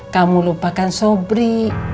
kamu lupakan sobri